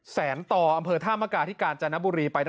แสนต่ออำเภอธามกาที่กาญจนบุรีไป